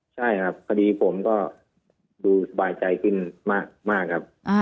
ใช่ครับคดีผมก็ดูสบายใจขึ้นมากครับ